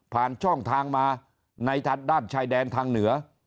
ช่องทางมาในด้านชายแดนทางเหนือ